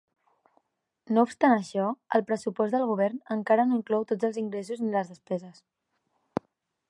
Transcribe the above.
No obstant això, el pressupost del govern encara no inclou tots els ingressos ni les despeses.